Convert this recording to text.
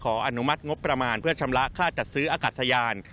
อนุมัติงบประมาณเพื่อชำระค่าจัดซื้ออากาศยาน